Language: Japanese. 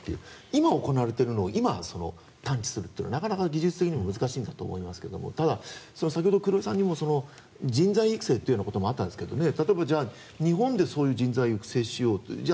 今行われているのを今、探知するのはなかなか技術的にも難しいんだと思いますが先ほど黒井さんにも人材育成というようなこともあったんですが例えば日本でそういう人材を育成しようと。